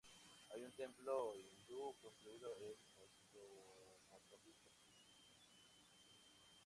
Hay un templo hindú construido en Mozambique.